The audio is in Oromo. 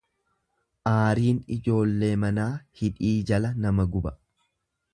Aariin ijoollee namaa hidhii jala nama guba.